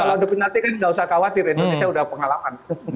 tapi kalau adu penalti kan tidak usah khawatir indonesia sudah pengalaman